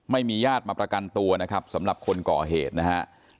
ญาติมาประกันตัวนะครับสำหรับคนก่อเหตุนะครับ